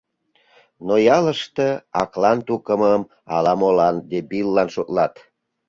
Но ялыште Аклан тукымым ала-молан дебиллан шотлат.